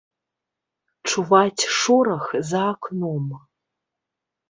Чуваць шорах за акном.